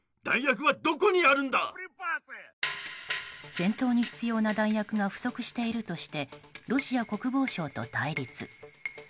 戦闘に必要な弾薬が不足しているとしてロシア国防省と対立。